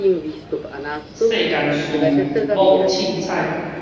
世間事，罔凊彩